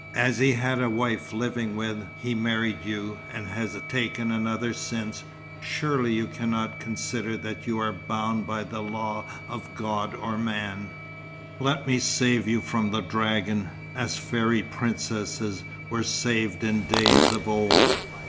As he had a wife living when he married you, and has taken another since, surely you cannot consider that you are bound by the law of God or man? Let me save you from the dragon, as fairy princesses were saved in days of old.